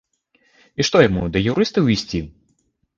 І што яму, да юрыстаў ісці?